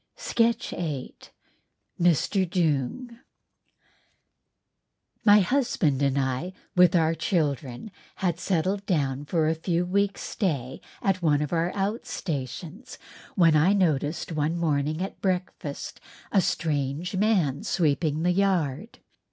*SKETCH VIII* *Mr. Doong* *Mr. Doong* My husband and I with our children had settled down for a few weeks' stay at one of our out stations, when I noticed one morning at breakfast a strange man sweeping the yard.